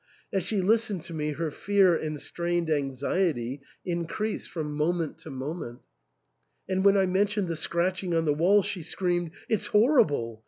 As she listened to me her fear and strained anxiety increased from moment to moment ; and when I mentioned the scratching on the wall she screamed, "It's horrible!